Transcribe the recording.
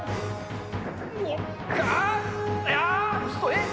えっ？